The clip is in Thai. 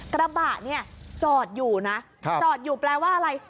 กระบะเนี่ยจอดอยู่นะจอดอยู่แปลว่าอะไร